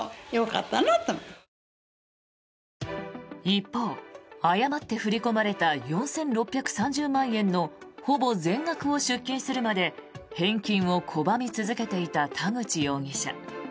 一方、誤って振り込まれた４６３０万円のほぼ全額を出金するまで返金を拒み続けていた田口容疑者。